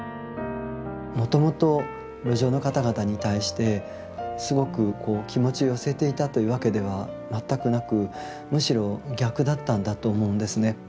もともと路上の方々に対してすごく気持ちを寄せていたというわけでは全くなくむしろ逆だったんだと思うんですね。